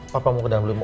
papa mau ke dalam dulu